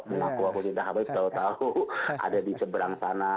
mengaku ngaku di sahabat itu tahu tahu ada di seberang sana